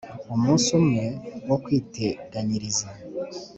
umunsi umwe wo kwiteganyiriza.